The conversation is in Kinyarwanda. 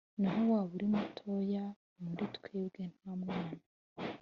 naho waba uri mutoya muri twebwe nta mwana